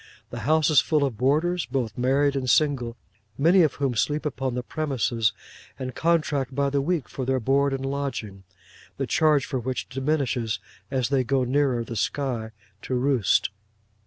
The house is full of boarders, both married and single, many of whom sleep upon the premises, and contract by the week for their board and lodging: the charge for which diminishes as they go nearer the sky to roost.